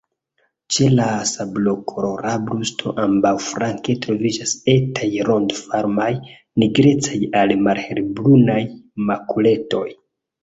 Ĉe la sablokolora brusto ambaŭflanke troviĝas etaj, rondoformaj nigrecaj al malhelbrunaj makuletoj.